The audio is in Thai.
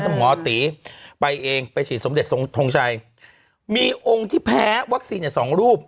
รัฐมนตร์ตีไปเองไปฉีดสมเด็จทงชัยมีองค์ที่แพ้วัคซีนอย่าง๒รูป